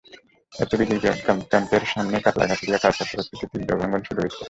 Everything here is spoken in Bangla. এতে বিজিবি ক্যাম্পের সামনে কাটলা-ঘাসুরিয়া কাঁচা সড়কটিতে তীব্র ভাঙন শুরু হয়েছে।